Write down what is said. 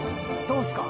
どうすか？